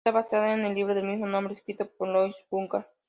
Está basada en el libro del mismo nombre, escrito por Lois Duncan.